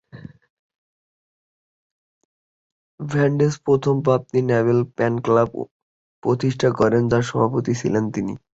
Vandross প্রথম পাত্তি লাবেল ফ্যান ক্লাব প্রতিষ্ঠা করেন, যার সভাপতি ছিলেন তিনি।